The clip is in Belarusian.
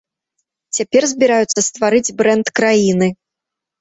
Цяпер збіраюцца стварыць брэнд краіны.